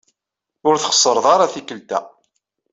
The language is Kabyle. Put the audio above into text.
Ur txessreḍ ara tikelt-a.